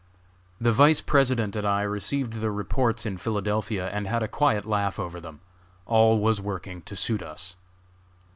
The Vice President and I received the reports in Philadelphia, and had a quiet laugh over them. All was working to suit us.